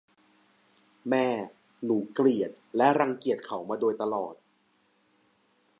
แม่ หนูเกลียดและรังเกียจเขามาโดยตลอด